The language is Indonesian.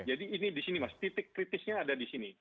jadi ini di sini mas titik kritisnya ada di sini